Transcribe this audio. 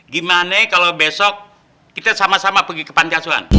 gimana kalo besok kita sama sama pergi ke pancasuan